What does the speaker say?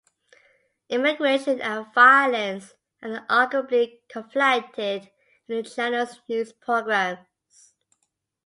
Immigration and violence are arguably conflated in the channel's news programmes.